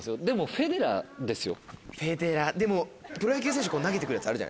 フェデラーでもプロ野球選手投げて来るやつある。